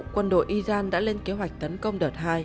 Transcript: quân đội iran đã lên kế hoạch tấn công đợt hai